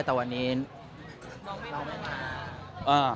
แต่วันนี้น้องไม่มีมา